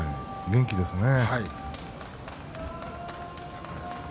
元気ですよね。